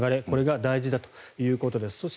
これが大事だということです。